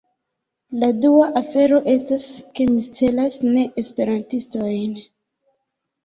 La dua afero estas, ke mi celas ne-Esperantistojn.